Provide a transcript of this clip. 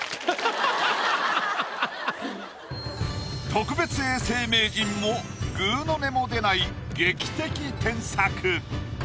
特別永世名人もぐうの音も出ない劇的添削。